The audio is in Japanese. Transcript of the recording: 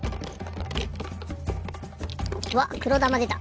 わっくろだまでた。